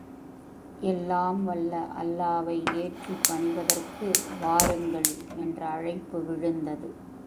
எல்லாம் வல்ல அல்லாவை ஏற்றிப் பணிவதற்கு வாருங்கள்! என்ற அழைப்பு விழுந்தது.